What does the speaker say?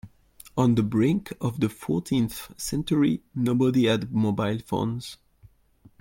On the brink of the fourteenth century, nobody had mobile phones.